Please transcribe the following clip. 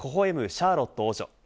シャーロット王女。